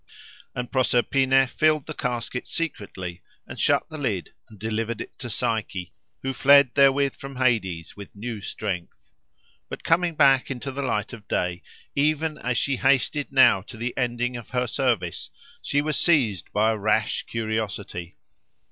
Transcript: And Proserpine filled the casket secretly and shut the lid, and delivered it to Psyche, who fled therewith from Hades with new strength. But coming back into the light of day, even as she hasted now to the ending of her service, she was seized by a rash curiosity.